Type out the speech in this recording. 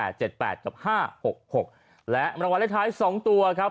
และสำหรับรางวัลสลากิแมพร้าคม๒ตัวครับ